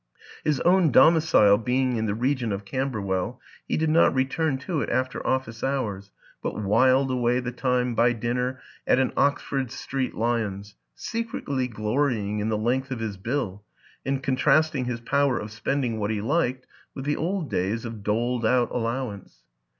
His own domicile being in the region of Camberwell, he did not return to it after office hours but whiled away the time by dinner at an Oxford Street Lyons secretly glorying in the length of his bill and contrasting his power of spending what he liked with the old days of doled out allowance.